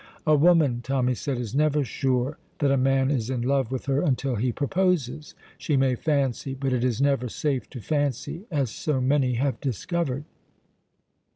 "A woman," Tommy said, "is never sure that a man is in love with her until he proposes. She may fancy but it is never safe to fancy, as so many have discovered."